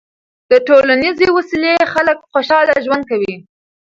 د ټولنیزې وصلۍ خلک خوشحاله ژوند کوي.